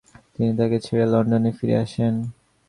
তিনি তাকে ছেড়ে লন্ডনে ফিরে আসেন।